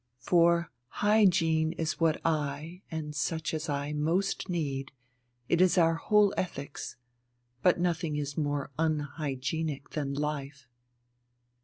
For hygiene is what I and such as I most need it is our whole ethics. But nothing is more unhygienic than life...."